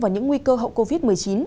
vào những nguy cơ hậu covid một mươi chín